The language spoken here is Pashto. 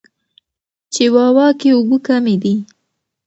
چیواوا کې اوبه کمې دي.